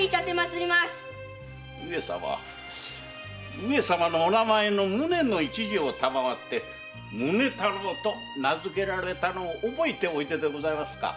上様のお名前の「宗」の一字を賜って「宗太郎」と名づけられたのを覚えておいででございますか？